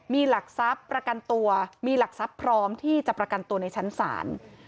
มีหลักทรัพย์ประกันตัวมีหลักทรัพย์พร้อมที่จะประกันตัวในชั้นศาล